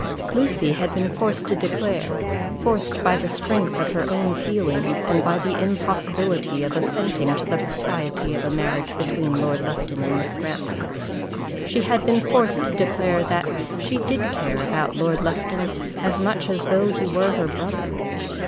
Lucy had been forced to declare forced by the strength of her own feelings, and by the impossibility of assenting to the propriety of a marriage between Lord Lufton and Miss Grantly , she had been forced to declare that she did care about Lord Lufton as much as though he were her brother.